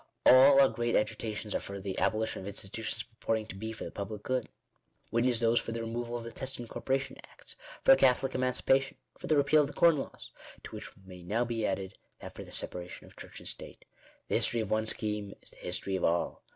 All our great agitations are for the abolition of institutions purporting to be for the public good. Witness those for the removal of the Test and Corporation Acts, for Catholic Emancipation, for the repeal of the Corn Laws ; to which may now be added, that for the separation of Church and State, The history of one scheme is the history of all.